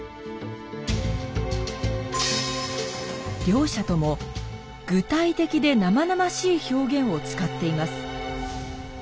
両者とも「具体的で生々しい表現」を使っています。